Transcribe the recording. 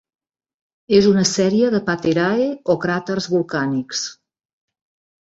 És una sèrie de paterae, o cràters volcànics.